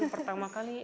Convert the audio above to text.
hmm pertama kali